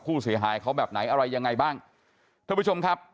ไม่เป็นค่ะ